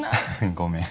ごめん。